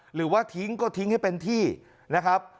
หรือว่าทิ้งก็ทิ้งให้เป็นที่นะครับ